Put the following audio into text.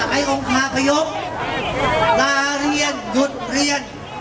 องค์คาพยพลาเรียนหยุดเรียน